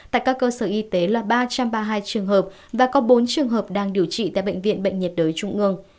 tại các cơ sở y tế là ba trăm ba mươi hai trường hợp và có bốn trường hợp đang điều trị tại bệnh viện bệnh nhiệt đới trung ương